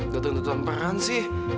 gue tentu tentuan peran sih